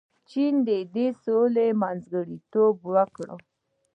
چین د دې سولې منځګړیتوب وکړ.